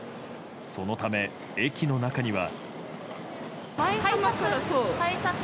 そのため、駅の中には。